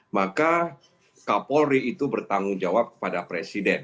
maka kapolri itu bertanggung jawab kepada presiden